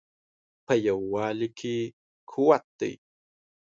په یووالي کې قوت دی